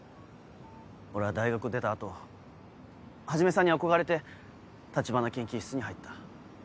俺は大学を出た後始さんに憧れて立花研究室に入った。